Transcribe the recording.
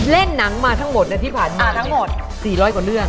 เล่นหนังมาทั้งหมดที่ผ่านมาทั้งหมด๔๐๐กว่าเรื่อง